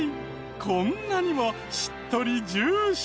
こんなにもしっとりジューシーに。